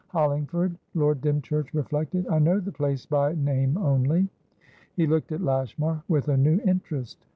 "Hollingford?" Lord Dymchurch reflected. "I know the place by name only." He looked at Lashmar with a new interest.